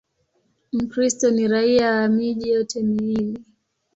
Mkristo ni raia wa miji yote miwili.